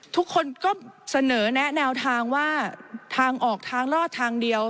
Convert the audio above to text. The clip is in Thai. ทุกคนก็เสนอแนะแนวทางว่าทางออกทางรอดทางเดียว